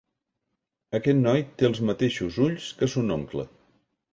Aquest noi té els mateixos ulls que son oncle.